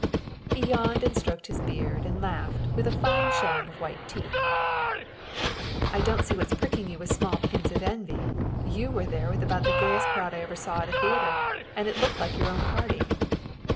He yawned and stroked his beard and laughed, with a fine showing of white teeth. "I don't see what's pricking you with small pins of envy. You were there with about the gayest crowd I ever saw at a theater; and it looked like your own party."